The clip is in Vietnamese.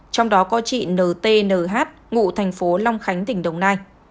trong đó có chị ntnh ngụ thành phố long khánh tỉnh đồng nai